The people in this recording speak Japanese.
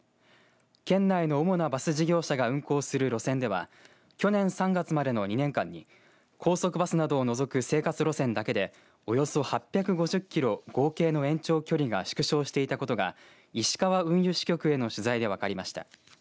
県内の主なバス事業者が運行する路線では去年３月までの２年間に高速バスなどを除く生活路線だけでおよそ８５０キロ合計の延長距離が縮小していたことが石川運輸支局への取材で分かりました。